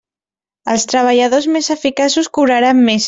Els treballadors més eficaços cobraran més.